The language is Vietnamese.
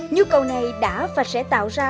nhu cầu này đã và sẽ tạo ra